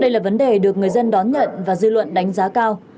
đây là vấn đề được người dân đón nhận và dư luận đánh giá cao